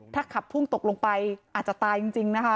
ถ้าขับพุ่งตกลงไปอาจจะตายจริงนะคะ